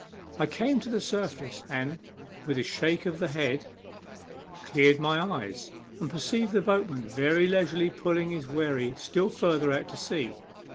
I came to the surface, and, with a shake of the head, cleared my eyes, and perceived the boat man very leisurely pulling his wherry still further out to sea.